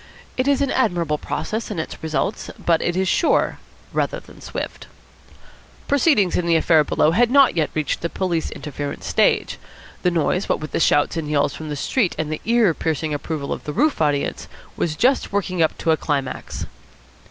It is an admirable process in its results, but it is sure rather than swift. Proceedings in the affair below had not yet reached the police interference stage. The noise, what with the shots and yells from the street and the ear piercing approval of the roof audience, was just working up to a climax.